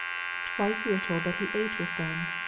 Twice we are told that He ate with them.